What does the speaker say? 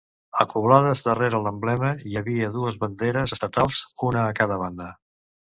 Acoblades darrere l'emblema hi havia dues banderes estatals, una a cada banda.